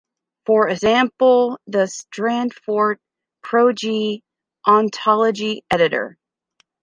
For example, the Stanford Protege Ontology Editor.